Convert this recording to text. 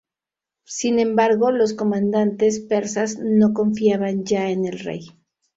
Sin embargo los comandantes persas no confiaban ya en el rey.